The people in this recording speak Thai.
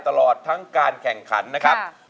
ตลอดทั้งการแข่งขันนะครับ